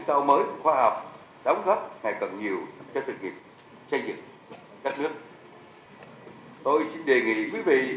cao mới của khoa học đóng góp ngày cận nhiều cho sự kiện xây dựng đất nước tôi xin đề nghị quý vị